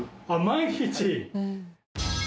毎日？